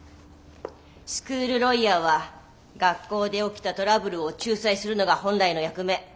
スクールロイヤーは学校で起きたトラブルを仲裁するのが本来の役目。